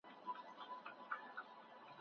اوس یو صنعتي نظام حاکم دی.